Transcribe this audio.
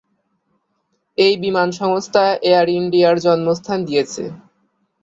এই বিমান সংস্থা এয়ার ইন্ডিয়া র জন্মস্থান দিয়েছে।